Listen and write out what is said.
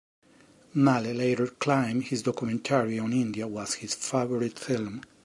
Malle later claimed his documentary on India was his favorite film.